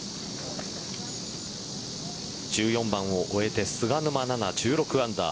１４番を終えて菅沼菜々１６アンダー。